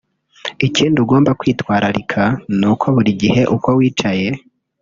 Ikindi ugomba kwitwararika ni uko buri gihe uko wicaye